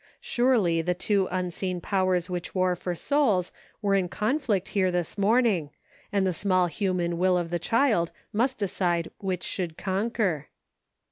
Surely, the two unseen powers which war for souls were in conflict here this morning, and the small human will of the child must decide which should conquer.